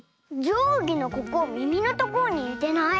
じょうぎのここみみのところににてない？